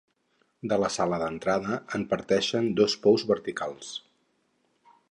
De la sala d'entrada en parteixen dos pous verticals.